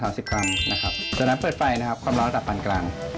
จากนั้นเปิดไฟความร้อนระดับบางกลาง